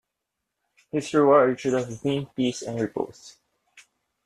His reward should have been peace and repose.